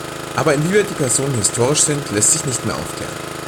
Aber inwieweit die Personen historisch sind, lässt sich nicht mehr aufklären.